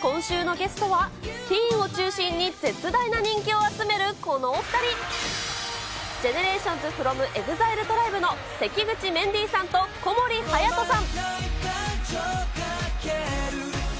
今週のゲストは、ティーンを中心に絶大な人気を集めるこのお２人、ＧＥＮＥＲＡＴＩＯＮＳｆｒｏｍＥＸＩＬＥＴＲＩＢＥの関口メンディーさんと小森隼さん。